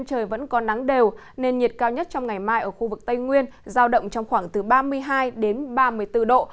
trời vẫn có nắng đều nên nhiệt cao nhất trong ngày mai ở khu vực tây nguyên giao động trong khoảng từ ba mươi hai đến ba mươi bốn độ